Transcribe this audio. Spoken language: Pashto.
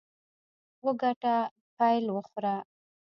وګټه، پیل وخوره.